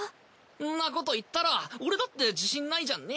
んなこと言ったら俺だって自信ないじゃんね。